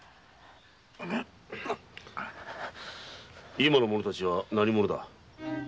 今の者たちは何者だ？